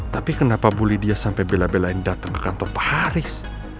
tapi kenapa bu lidia sampai bela belain datang ke kantor pak haris